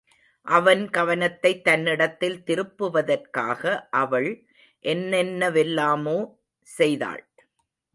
அவன் கவனத்தைத் தன்னிடத்தில் திருப்புவதற்காக அவள் என்னென்னவெல்லாமோ செய்தாள்.